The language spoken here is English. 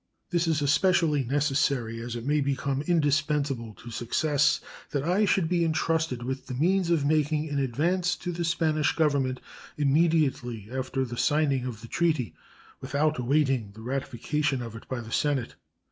This is especially necessary, as it may become indispensable to success that I should be intrusted with the means of making an advance to the Spanish Government immediately after the signing of the treaty, without awaiting the ratification of it by the Senate.